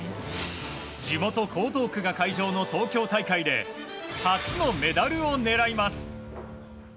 地元・江東区が会場の東京大会で初のメダルを狙います。